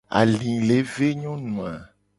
Ali le ve nyonu a.